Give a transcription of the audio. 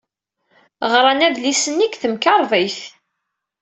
Ɣran adlis-nni deg temkarḍit.